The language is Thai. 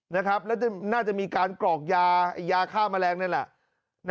แล้วน่าจะมีการกรอกยายาฆ่าแมลงนั่นแหละ